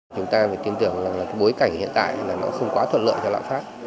chúng ta phải tin tưởng là bối cảnh hiện tại là nó không quá thuận lợi cho lạng phát